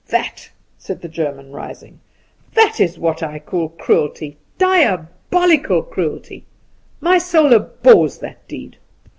That," said the German rising, "that is what I call cruelty diabolical cruelty. My soul abhors that deed.